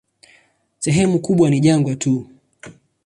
Sehemu kubwa ni jangwa tu.